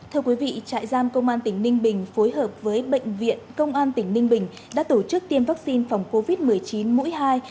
trại giam công an tỉnh ninh bình phối hợp với bệnh viện công an tỉnh ninh bình đã tổ chức tiêm vaccine phòng covid một mươi chín mũi hai